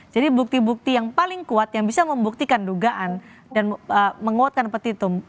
jadi bukti bukti yang paling kuat yang bisa membuktikan dugaan dan menguatkan petitum